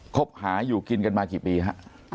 คบหาอยู่กินกันมากี่ปีฮะ